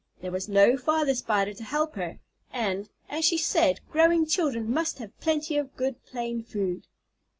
There was no father Spider to help her, and, as she said, "Growing children must have plenty of good plain food."